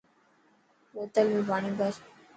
بوتل ۾ پاڻي ڀر.